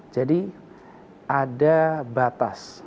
jadi ada batas